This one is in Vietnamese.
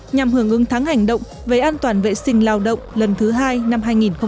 nhằm hưởng ứng tháng hành động về an toàn vệ sinh lao động lần thứ hai năm hai nghìn hai mươi